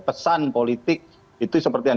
pesan politik itu seperti yang